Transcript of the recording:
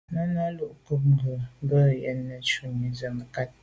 Númí lùcúp ŋkɔ̀k mbə̌ bū yə́nə́ shúnì zə̀ mə̀kát.